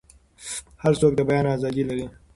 هر څوک د بیان ازادي لري.